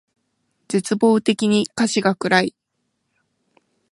絶望的に歌詞が暗い